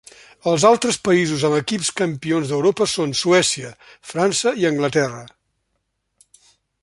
Els altres països amb equips campions d'Europa són Suècia, França i Anglaterra.